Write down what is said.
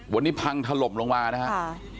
บ้านนี้พังถล่มลงมานะฮะค่ะ